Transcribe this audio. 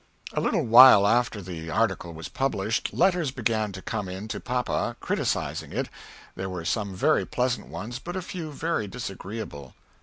A little while after the article was published letters began to come in to papa crittisizing it, there were some very pleasant ones but a few very disagreable.